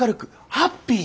ハッピーに！